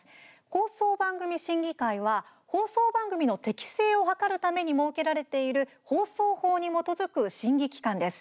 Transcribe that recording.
放送番組審議会は、放送番組の適正を図るために設けられている放送法に基づく審議機関です。